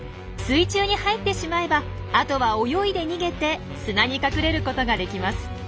水中に入ってしまえばあとは泳いで逃げて砂に隠れることができます。